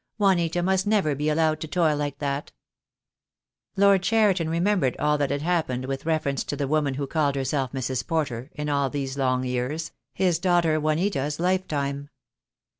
Juanita must never be allowed to toil like that." Lord Cheriton remembered all that had happened with reference to the woman who called herself Mrs. Porter, in all these long years — his daughter Juanita's life time.